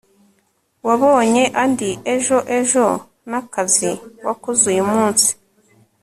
wabonye andi ejo ejo nakazi wakoze uyu munsi